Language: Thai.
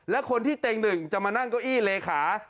และคนที่เต็งหนึ่งจะมานั่งเก้าอี้เลขา